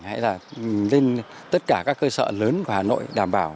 hay là lên tất cả các cơ sở lớn của hà nội đảm bảo